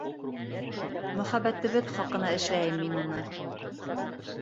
Мөхәббәтебеҙ хаҡына эшләйем мин уны.